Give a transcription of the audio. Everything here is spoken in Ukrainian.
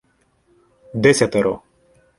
Десятеро